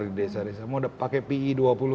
di desa desa mau pakai pi